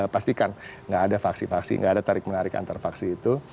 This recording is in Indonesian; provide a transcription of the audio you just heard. pastikan nggak ada vaksi vaksi nggak ada tarik menarik antar vaksi itu